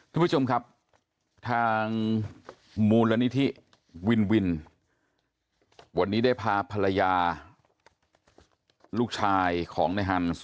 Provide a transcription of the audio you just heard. คุณผู้ชมครับทางมูลนิธิวินวินวันนี้ได้พาภรรยาลูกชายของในฮันส์